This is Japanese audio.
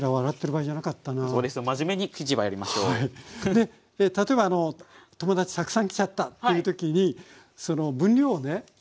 で例えば友達たくさん来ちゃったっていう時に分量をね